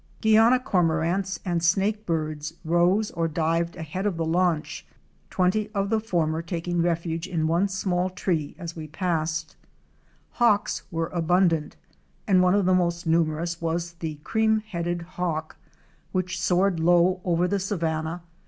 Guiana Cormorants "" and Snakebirds® rose or dived ahead of the launch, twenty of the former taking refuge in one small tree as we passed. Hawks were abundant and one of the most numerous was the Cream headed Hawk, which soared low over the sa THE LIFE OF THE ABARY SAVANNAS.